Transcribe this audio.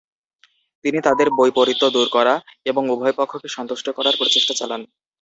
তিনি তাদের বৈপরিত্য দূর করা এবং উভয়পক্ষকে সন্তুষ্ট করার প্রচেষ্টা চালান।